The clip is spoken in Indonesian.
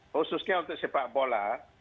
khususnya untuk sepak bola